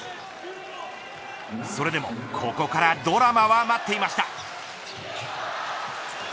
それでもここからドラマは待っていました。